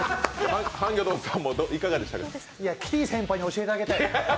キティ先輩に教えてあげたい。